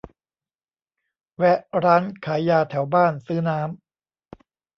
แวะร้านขายยาแถวบ้านซื้อน้ำ